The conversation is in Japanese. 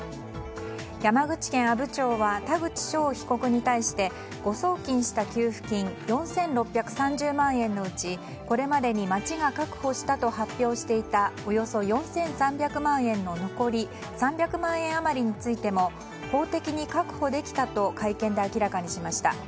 山口県阿武町は田口翔被告に対して誤送金した給付金４６３０万円のうちこれまでに町が確保したと発表していたおよそ４３００万円の残り３００万円余りについても法的に確保できたと会見で明らかにしました。